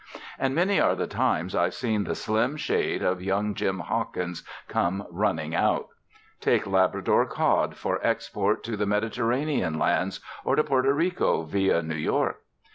And many are the times I've seen the slim shade of young Jim Hawkins come running out. Take Labrador cod for export to the Mediterranean lands or to Porto Rico via New York.